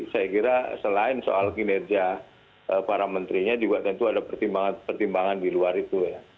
saya kira selain soal kinerja para menterinya juga tentu ada pertimbangan pertimbangan di luar itu ya